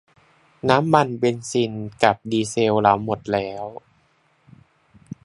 น้ำมันเบนซิลกับดีเซลเราหมดแล้ว